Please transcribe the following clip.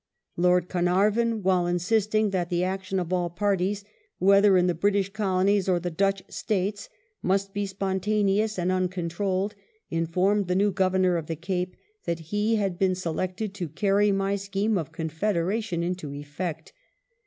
Lord Carnarvon, while insisting that the action of all parties whether in the British Colonies or the Dutch States must be spontaneous and uncontrolled," informed the new Governor of the Cape that he had been selected " to carry my scheme of confederation into effect".